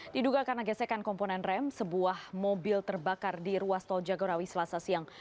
diduga karena gesekan komponen rem sebuah mobil terbakar di ruas tol jagorawi selasa siang